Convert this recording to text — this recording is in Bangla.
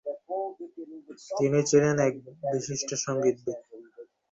তিনি ছিলেন এক বিশিষ্ট সংগীতবিদ।